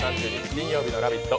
金曜日の「ラヴィット！」